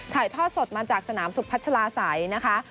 ถ่ายทอดสดมาจากสนามสุพัชลาศัยนะคะ